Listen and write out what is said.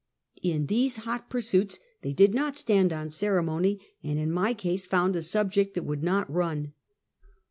In these hot pursuits, they did not stand on ceremony, and in my case, found a subject that would not run.